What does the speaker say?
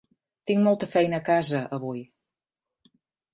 Tinc molta feina a casa, avui.